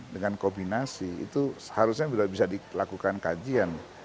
dengan kombinasi itu seharusnya bisa dilakukan kajian